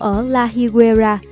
ở la higuera